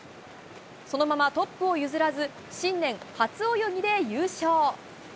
そのままトップを譲らず新年初泳ぎで優勝。